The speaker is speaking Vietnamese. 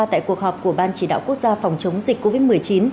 tại cuộc họp của ban chỉ đạo quốc gia phòng chống dịch covid một mươi chín